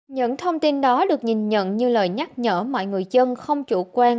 những thông tin đó được nhìn nhận như lời nhắc nhở mọi người dân không chủ quan